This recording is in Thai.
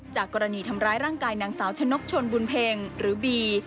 จากกรณีทำร้ายร่างกายนางสาวชนกชนบุญเพ็งหรือบี